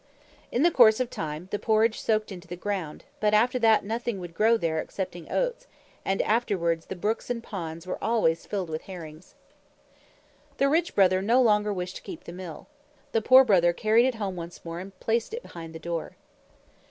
In the course of time, the porridge soaked into the ground, but after that nothing would grow there excepting oats, and afterwards the brooks and ponds were always filled with herrings. The Rich Brother no longer wished to keep the Mill. The Poor Brother carried it home once more and placed it behind the door.